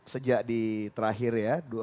sejak di terakhir ya